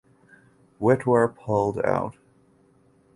Witwer pulled out.